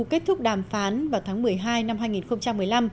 kết thúc đàm phán vào tháng một mươi hai năm hai nghìn một mươi năm